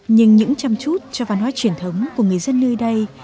nhưng những chăm chút cho văn hóa truyền thống của người dân nơi đây